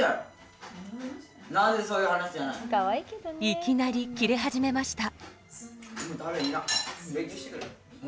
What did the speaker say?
いきなりキレ始めました。